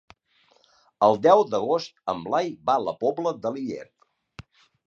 El deu d'agost en Blai va a la Pobla de Lillet.